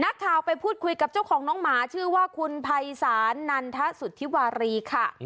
นักข่าวไปพูดคุยกับเจ้าของน้องหมาชื่อว่าคุณภัยศาลนันทสุธิวารีค่ะ